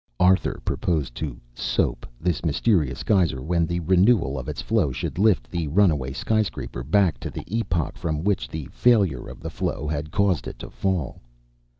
Arthur proposed to "soap" this mysterious geyser when the renewal of its flow should lift the runaway sky scraper back to the epoch from which the failure of the flow had caused it to fall.